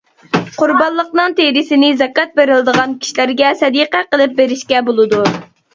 قۇربانلىقنىڭ تېرىسىنى زاكات بېرىلىدىغان كىشىلەرگە سەدىقە قىلىپ بېرىشكە بولىدۇ.